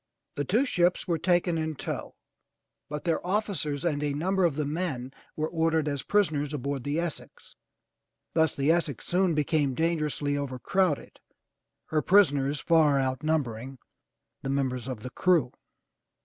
The two ships were taken in tow, but their officers and a number of the men were ordered as prisoners aboard the Essex. Thus the Essex soon became dangerously overcrowded, her prisoners far outnumbering the members of her crew.